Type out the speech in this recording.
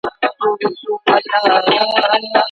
ولي افغان سوداګر کیمیاوي سره له پاکستان څخه واردوي؟